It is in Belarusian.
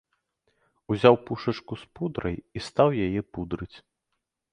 Узяў пушачку з пудрай і стаў яе пудрыць.